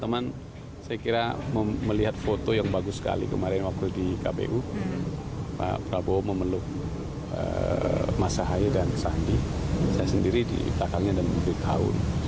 masa haye dan sandi saya sendiri di belakangnya dan mempunyai kaun